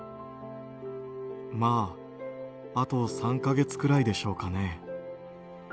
まあ、あと３か月ぐらいでしょうかね。